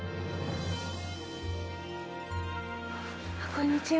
こんにちは。